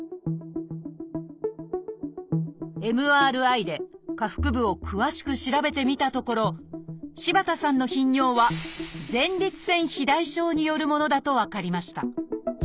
ＭＲＩで下腹部を詳しく調べてみたところ柴田さんの頻尿は「前立腺肥大症」によるものだと分かりました。